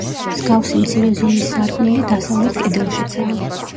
მსგავსი მცირე ზომის სარკმელი დასავლეთ კედელშიცაა.